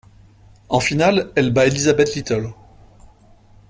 En finale, elle bat Elizabeth Little.